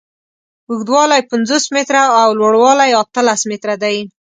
اوږدوالی یې پنځوس متره او لوړوالی یې اتلس متره دی.